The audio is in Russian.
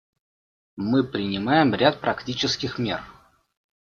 Мы принимаем ряд практических мер.